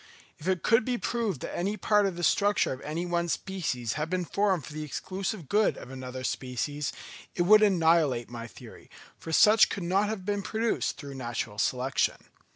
If it could be proved that any part of the structure of any one species had been formed for the exclusive good of another species, it would annihilate my theory, for such could not have been produced through natural selection.